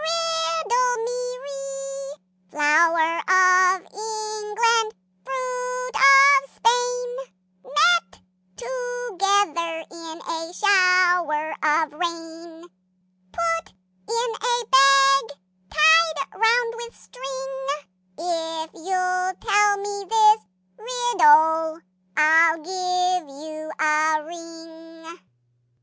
riddle me ree! Flour of England, fruit of Spain, Met together in a shower of rain; Put in a bag tied round with a string, If you'll tell me this riddle, I'll give you a ring!"